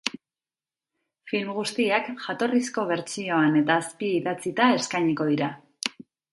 Film guztiak jatorrizko bertsioan eta azpi idatzita eskainiko dira.